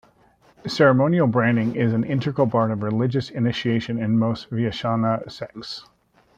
Ceremonial Branding is an integral part of religious initiation in most Vaishnava sects.